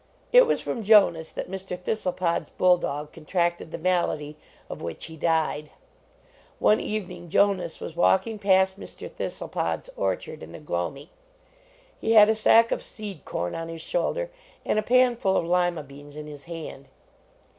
It was from Jonas that Mr. Thistlepod s bull dog contracted the malady of which he 112 JONAS died. One evening Jonas was walking past Mr. Thistlepod s orchard in the gloaming. He had a sack of seed corn on his shoulder and a pan full of Lima beans in his hand.